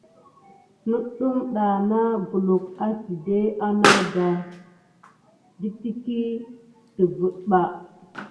Nudum dana kulu adegue sika va sit wute mis tikile si defeta.